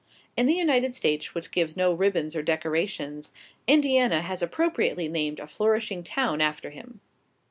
In the United States, which gives no ribbons or decorations, Indiana has appropriately named a flourishing town after him.